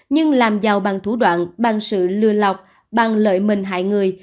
nhưng làm giàu bằng thủ đoạn bằng sự lừa lọc bằng lợi mình hại người